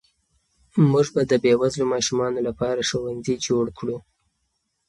موږ به د بې وزلو ماشومانو لپاره ښوونځي جوړ کړو.